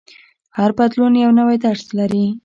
هر بدلون یو نوی درس لري.